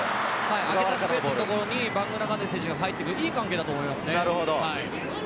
空けたスペースの所にバングーナガンデ選手が入ってくる、いい関係だと思いますね。